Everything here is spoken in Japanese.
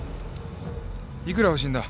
いくら欲しいんだ？